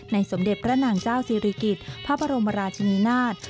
ในสมเด็จพระนางเจ้าซีริกิตพระพระรมราชนีนาฏ